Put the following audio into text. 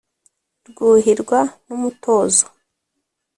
Rwuhirwa n'umutozo.